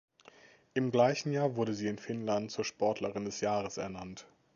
Im gleichen Jahr wurde sie in Finnland zur Sportlerin des Jahres ernannt.